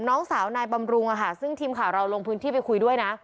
น้องสาวนายบำรุงซึ่งทีมข่าวเราลงพื้นที่ไปคุยด้วยนะ